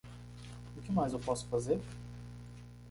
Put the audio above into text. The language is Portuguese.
O que mais eu posso fazer?